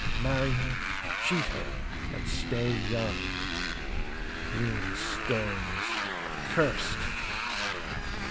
Marry her, cheat her, and stay young. Green stones, accursed.